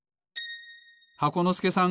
箱のすけさん